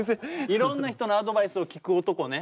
いろんな人のアドバイスを聞く男ね。